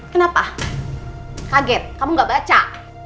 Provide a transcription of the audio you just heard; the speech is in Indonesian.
kenapa kaget kamu gak baca